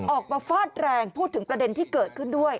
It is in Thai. ฟาดแรงพูดถึงประเด็นที่เกิดขึ้นด้วย